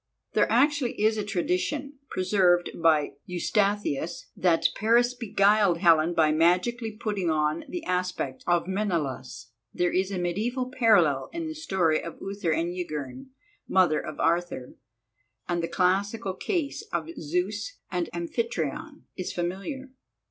There actually is a tradition, preserved by Eustathius, that Paris beguiled Helen by magically putting on the aspect of Menelaus. There is a mediaeval parallel in the story of Uther and Ygerne, mother of Arthur, and the classical case of Zeus and Amphitryon is familiar.